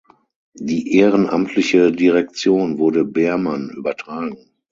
Die ehrenamtliche Direktion wurde Behrmann übertragen.